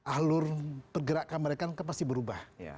alur pergerakan mereka pasti berubah